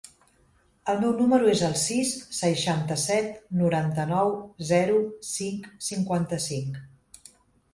El meu número es el sis, seixanta-set, noranta-nou, zero, cinc, cinquanta-cinc.